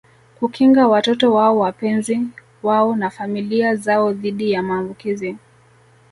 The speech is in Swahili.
Kukinga watoto wao wapenzi wao na familia zao dhidi ya maambukizi